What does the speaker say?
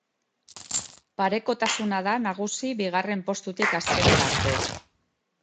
Parekotasuna da nagusi bigarren postutik azkenera arte.